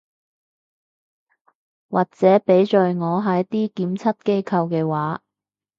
或者畀在我係啲檢測機構嘅話